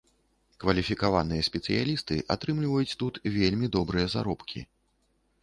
Кваліфікаваныя спецыялісты атрымліваюць тут вельмі добрыя заробкі.